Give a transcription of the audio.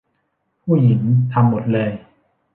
ผู้หญิงทำหมดเลย